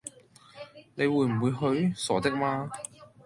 你會唔會去？傻的嗎